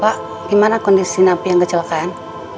pak gimana kondisi napi yang kecelakaan